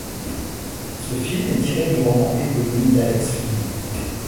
Ce film est tiré du roman éponyme d'Alex Flinn.